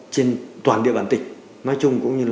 trên toàn địa bản tịch